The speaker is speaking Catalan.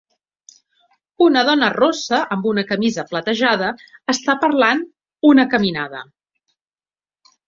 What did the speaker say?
Una dona rossa amb una camisa platejada està parlant una caminada.